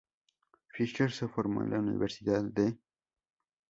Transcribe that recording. Fisher se formó en la Universidad de St.